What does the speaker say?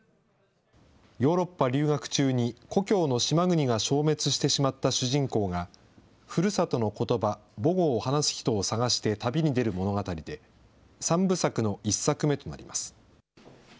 ヨーロッパ留学中に故郷の島国が消滅してしまった主人公が、ふるさとのことば、母語を話す人を探して旅に出る物語で、３部作の１作目となります。